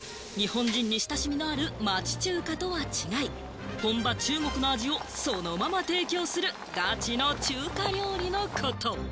ガチ中華とは、日本人に親しみのある町中華とは違い、本場中国の味をそのまま提供するガチの中華料理のこと。